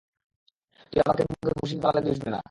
তুমি আমাকে মুখে ঘুষি মেরে পালালে দুষবে না।